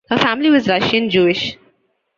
Her family was Russian Jewish.